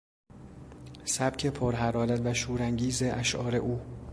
سبک پرحرارت و شورانگیز اشعار او